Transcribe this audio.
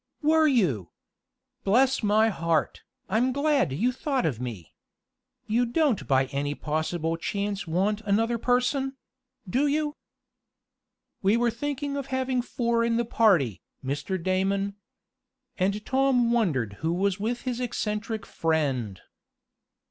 "Were you? Bless my heart, I'm glad you thought of me. You don't by any possible chance want another person; do you?" "We were thinking of having four in the party, Mr. Damon," and Tom wondered who was with his eccentric friend.